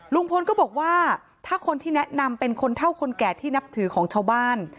ลุงพลก็บอกว่าถ้าคนที่แนะนำเป็นคนเท่าคนแก่ที่นับถือของชาวบ้าน